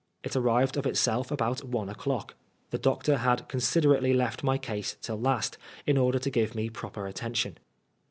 It arrived of itself about one o'clock. The doctor had considerately left my case till last, in order to give me proper atten tion.